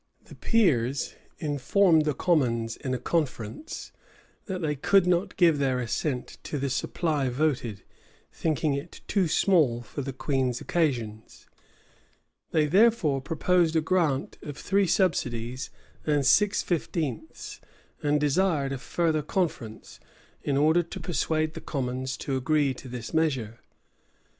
The peers informed the commons in a conference, that they could not give their assent to the supply voted, thinking it too small for the queen's occasions: they therefore proposed a grant of three subsidies and six fifteenths; and desired a further conference, in order to persuade the commons to agree to this measure.